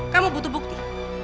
kamu butuh bukti